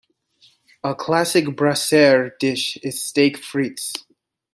A classic brasserie dish is steak frites.